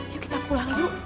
yuk kita pulang yuk